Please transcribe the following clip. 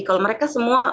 kalau mereka semua